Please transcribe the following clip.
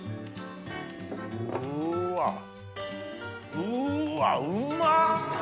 うわうんまっ！